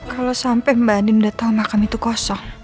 kalo sampe mbak andin udah tau makam itu kosong